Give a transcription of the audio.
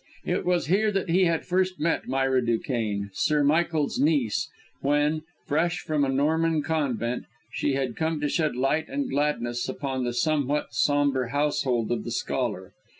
It was here that he had first met Myra Duquesne, Sir Michael's niece, when, fresh from a Norman convent, she had come to shed light and gladness upon the somewhat, sombre household of the scholar.